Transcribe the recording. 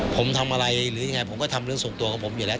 ผมทำอะไรหรือยังไงผมก็ทำเรื่องส่วนตัวกับผมอยู่แล้ว